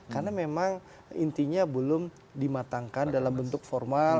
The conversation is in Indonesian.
karena memang intinya belum dimatangkan dalam bentuk formal